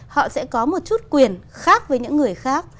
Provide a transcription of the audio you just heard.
họ sẽ có một chút quyền khác với những người khác